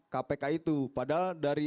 kpk itu padahal dari